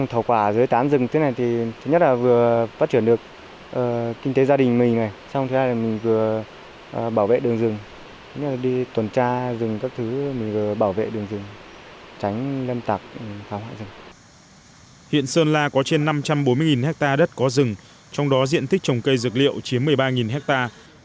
hiện sơn la có trên năm trăm bốn mươi hectare đất có rừng trong đó diện tích trồng cây dược liệu chiếm một mươi ba hectare